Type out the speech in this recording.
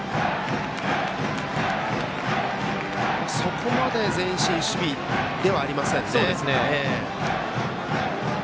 そこまで前進守備ではありませんね。